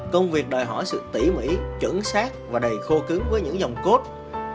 công việc đòi hỏi sự tỉ mỉ chuẩn xác và đầy khô cứng với những dòng cốt